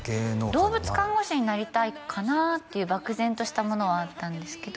動物看護師になりたいかなっていう漠然としたものはあったんですけどでもやっぱり